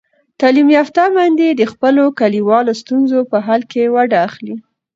تعلیم یافته میندې د خپلو کلیوالو ستونزو په حل کې ونډه اخلي.